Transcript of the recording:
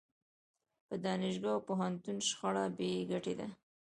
په دانشګاه او پوهنتون شخړه بې ګټې ده.